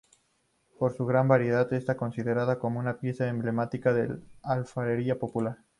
Por su gran variedad, está considerada como una pieza emblemática de la alfarería popular.